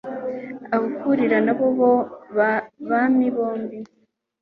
ahahurira n'abo bami bombi